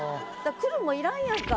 「くる」もいらんやんか。